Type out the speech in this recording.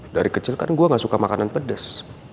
dari kecil kan gue gak suka makanan pedas